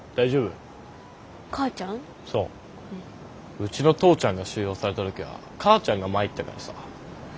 うちの父ちゃんが収容された時は母ちゃんが参ったからさ。